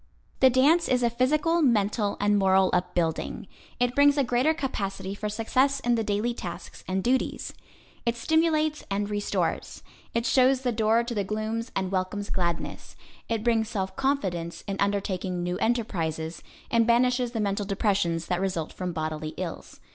The dance is a physical, mental and moral upbuilding. It brings a greater capacity for success in the daily tasks and duties. It stimulates and restores. It shows the door to the glooms and welcomes gladness. It brings self confidence in undertaking new enterprises, and banishes the mental depressions that result from bodily ills.